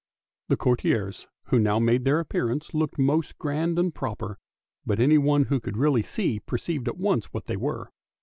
The courtiers who now made their appearance looked most grand and proper, but anyone who could really see perceived at once what they were.